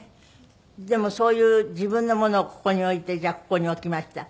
でもそういう自分のものをここに置いてじゃあここに置きました。